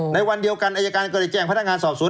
ในวันเดียวกันอายการก็เลยแจ้งพนักงานสอบสวน